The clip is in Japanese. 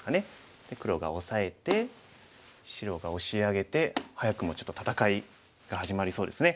黒がオサえて白がオシ上げて早くもちょっと戦いが始まりそうですね。